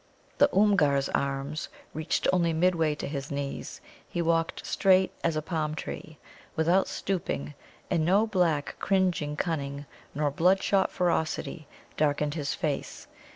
The Oomgar's arms reached only midway to his knees; he walked straight as a palm tree, without stooping, and no black, cringing cunning nor bloodshot ferocity darkened his face.